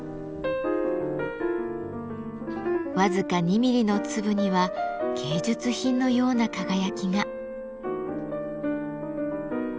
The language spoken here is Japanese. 僅か２ミリの粒には芸術品のような輝きが。